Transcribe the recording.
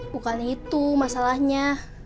bukan itu masalahnya